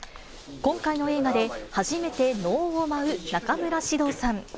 今回の映画で初めて能を舞う中村獅童さん。